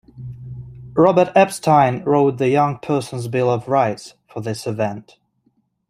Robert Epstein wrote The Young Person's Bill of Rights for this event.